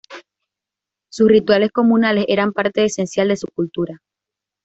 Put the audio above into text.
Sus rituales comunales eran parte esencial de su cultura.